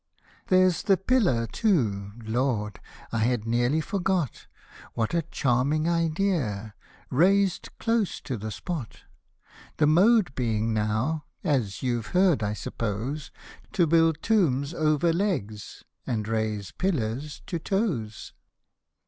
There's the pillar, too — Lord ! I had nearly forgot — What a charming idea !— raised close to the spot ; The mode being now (as you've heard, I suppose), To build tombs over legs, and raise pillars to toes.